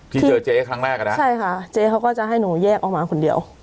ที่เจอเจ๊ครั้งแรกอ่ะนะใช่ค่ะเจ๊เขาก็จะให้หนูแยกออกมาคนเดียว